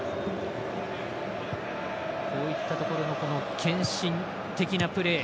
こういったところの献身的なプレー。